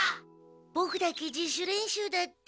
ボクだけ自主練習だって。